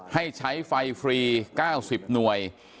ให้ใช้ไฟฟรี๙๐หน่วย